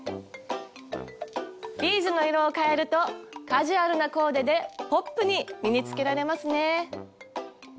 ビーズの色を変えるとカジュアルなコーデでポップに身につけられますね。